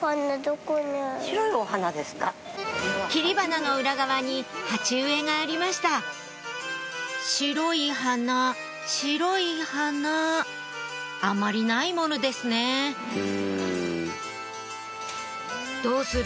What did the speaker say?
切り花の裏側に鉢植えがありました白い花白い花あまりないものですねどうする？